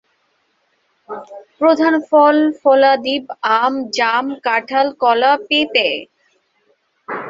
প্রধান ফল-ফলাদিব আম, জাম, কাঁঠাল, কলা, পেঁপে।